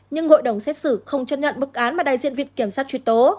nhưng hội đồng xét xử không chân nhận bức án mà đại diện viện kiểm soát truy tố